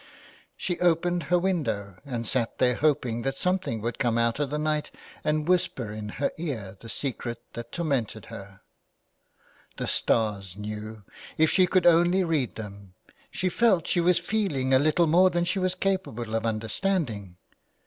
She opened her window, and sat there hoping that something would come out of the night and whisper in her car the secret that tormented her, 3^ THE WILD GOOSE. The stars knew 1 If she could only read them ! She felt she was feeling a little more than she was capable of understanding.